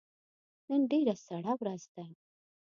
نن ډیره سړه ورځ ده